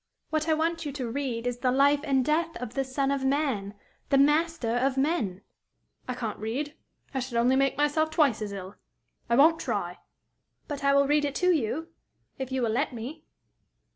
What I want you to read is the life and death of the son of man, the master of men." "I can't read. I should only make myself twice as ill. I won't try." "But I will read to you, if you will let me."